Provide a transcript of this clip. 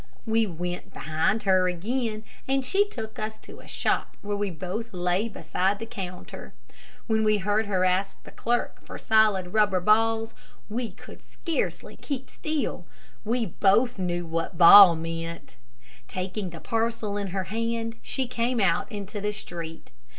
We went behind her again, and she took us to a shop where we both lay beside the counter. When we heard her ask the clerk for solid rubber balls, we could scarcely keep still. We both knew what "ball" meant. Taking the parcel in her hand, she came out into the street.